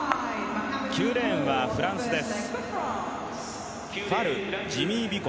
９レーンはフランスです。